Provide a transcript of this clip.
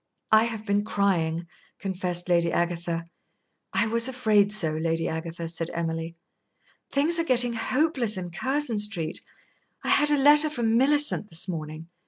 "I have been crying," confessed Lady Agatha. "I was afraid so, Lady Agatha," said Emily. "Things are getting hopeless in Curzon Street. I had a letter from Millicent this morning.